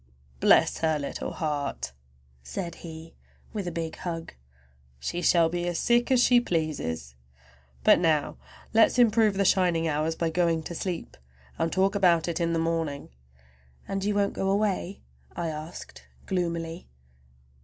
"Bless her little heart!" said he with a big hug; "she shall be as sick as she pleases! But now let's improve the shining hours by going to sleep, and talk about it in the morning!" "And you won't go away?" I asked gloomily.